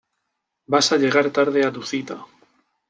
vas a llegar tarde a tu cita